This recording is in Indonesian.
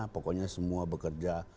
pokoknya semua bekerja